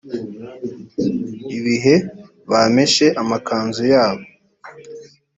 ibh bameshe amakanzu yabo